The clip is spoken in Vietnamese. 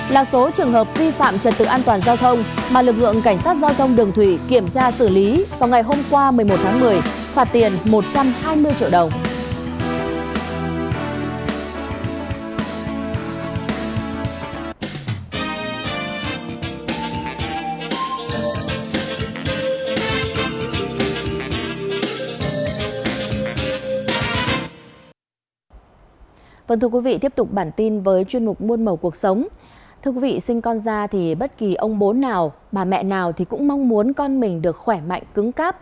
ba trăm ba mươi sáu là số trường hợp vi phạm trật tự an toàn giao thông mà lực lượng cảnh sát giao thông đường thủy kiểm tra xử lý vào ngày hôm qua một mươi một tháng một mươi phạt tiền một trăm hai mươi triệu đồng